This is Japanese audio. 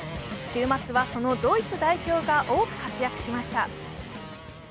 週末は、そのドイツ代表が多く活躍しました。